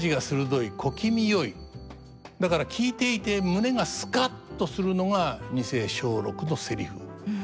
だから聞いていて胸がスカッとするのが二世松緑のせりふ。